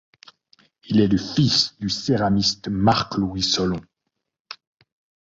Il est le fils du céramiste Marc-Louis Solon.